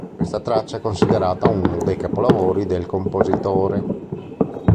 Questa traccia è considerata uno dei capolavori del compositore.